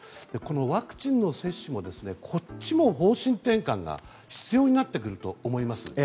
ワクチンの接種もこっちも方針転換が必要になってくると思います。